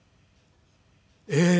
ええ。